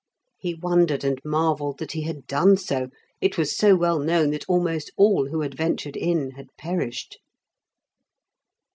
He wondered and marvelled that he had done so, it was so well known that almost all who had ventured in had perished.